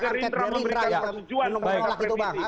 gerindra menolak itu bang